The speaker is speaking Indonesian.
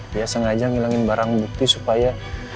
dia sengaja ngilangin barang bukti supaya